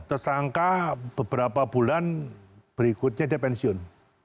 tersangka beberapa bulan berikutnya dia pensiun